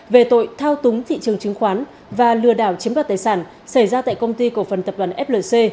về tội thao túng thị trường chứng khoán và lừa đảo chiếm đoạt tài sản xảy ra tại công ty cổ phần tập đoàn flc